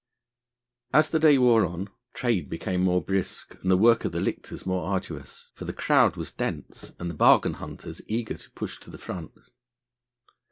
As the day wore on, trade became more brisk and the work of the lictors more arduous, for the crowd was dense and the bargain hunters eager to push to the front.